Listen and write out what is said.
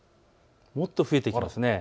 もっと増えていきます。